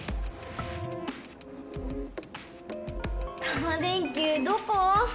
タマ電Ｑどこ？